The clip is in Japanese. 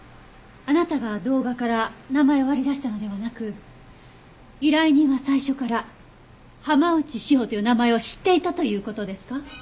あなたが動画から名前を割り出したのではなく依頼人は最初から浜内詩帆という名前を知っていたという事ですか？